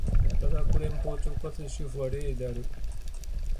ラダック連邦直轄領の首府はレーである